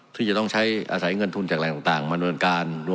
ที่จะต้องใช้อาศัยเงินทุนจากอะไรต่างมานวลการ